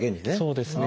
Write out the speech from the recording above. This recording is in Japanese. そうですね。